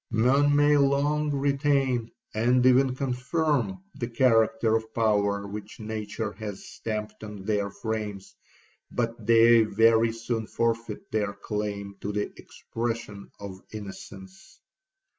Men may long retain, and even confirm, the character of power which nature has stamped on their frames, but they very soon forfeit their claim to the expression of innocence.